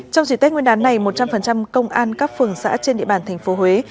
trong chỉ tết nguyên đán này một trăm linh công an các phường xã trên địa bàn tp huế